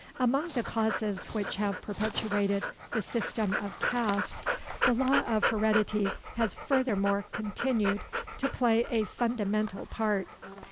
Among the causes which have perpetuated the system of castes, the law of heredity has furthermore continued to play a fundamental part.